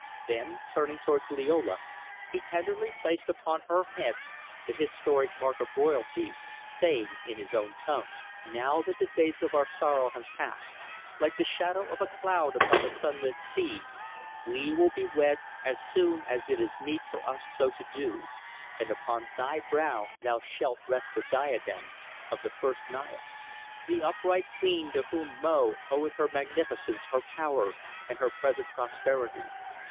Then, turning towards Liola, he tenderly placed upon her head the historic mark of royalty, saying in his own tongue: "Now that the days of our sorrow have passed like the shadow of a cloud upon a sunlit sea, we will be wed as soon as it is meet for us so to do, and upon thy brow thus shalt rest the diadem of the first Naya, the upright queen to whom Mo oweth her magnificence, her power, and her present prosperity.